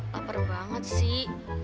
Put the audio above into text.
laper banget sih